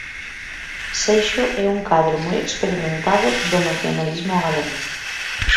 Seixo é un cadro moi experimentado do nacionalismo galego.